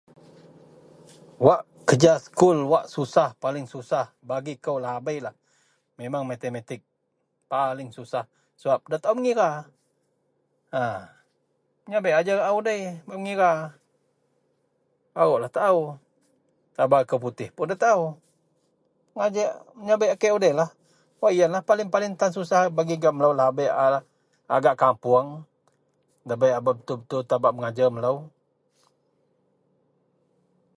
wak kerja sekul wak susah paling susah bagi kou lahabeilah memang matematik paling susah sebab da taau mengira a meyabek ajar a udei bak megira, barulah taau, telabau liko putih pun da taau, megajer meyabek a kek udeilah, wak ien tan paling-paling tan susah bagi gak melou lahabei a gak kapoung, debei a betul-betul tan bak megajar melou